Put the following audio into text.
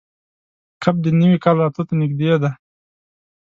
کب د نوي کال راتلو ته نږدې ده.